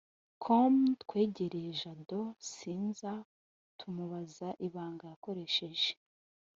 com twegereye Jado Sinza tumubaza ibanga yakoresheje